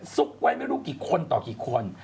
ซุกไว้ไม่รู้กี่คนต่อกี่คน